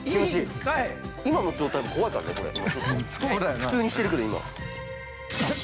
◆普通にしてるけど、今。